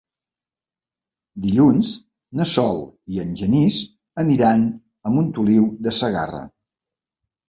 Dilluns na Sol i en Genís aniran a Montoliu de Segarra.